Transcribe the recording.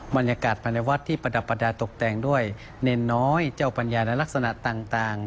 บรรยากาศภายในวัดที่ประดับประดาษตกแต่งด้วยเนรน้อยเจ้าปัญญาและลักษณะต่าง